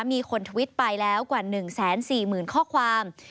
มีคนทวิตไปแล้วกว่า๑๔๐๐๐ข้อความ